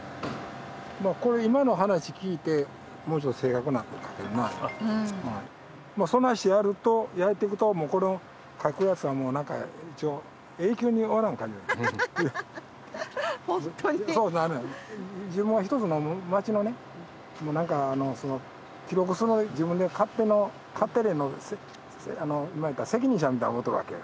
これ今の話聞いてもうちょっと正確なんが描けるないうそないしてやるとやってくとこの描くやつはもう何か永久に終わらん感じがするハハハハホントにそうなるん自分は一つの町のねもう何かその記録する自分で勝手の勝手連の責任者みたいに思うとるわけよ